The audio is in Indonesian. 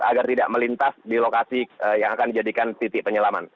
agar tidak melintas di lokasi yang akan dijadikan titik penyelaman